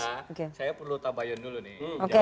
sebelum itu ya saya perlu tambahin dulu nih